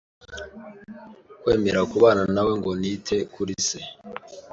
kwemera kubana nawe ngo nite kuri se